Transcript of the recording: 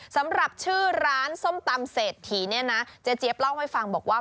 สำหรับชื่อร้านส้มตำเศรษฐีเนี่ยนะเจ๊เจี๊ยบเล่าให้ฟังบอกว่า